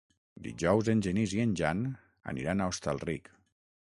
Dijous en Genís i en Jan aniran a Hostalric.